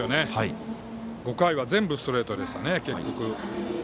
５回は全部ストレートでした、結局。